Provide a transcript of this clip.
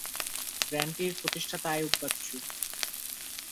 ব্যান্ডটির প্রতিষ্ঠাতা আইয়ুব বাচ্চু।